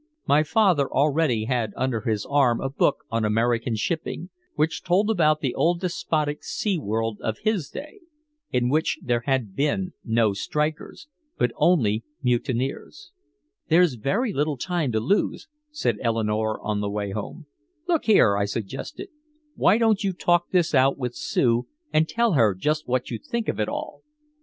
My father already had under his arm a book on American shipping, which told about the old despotic sea world of his day, in which there had been no strikers but only mutineers. "There's very little time to lose," said Eleanore on the way home. "Look here," I suggested. "Why don't you talk this out with Sue, and tell her just what you think of it all?"